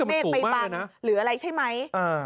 เมฆไปบังหรืออะไรใช่ไหม